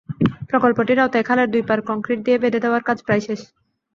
প্রকল্পটির আওতায় খালের দুই পাড় কংক্রিট দিয়ে বেঁধে দেওয়ার কাজ প্রায় শেষ।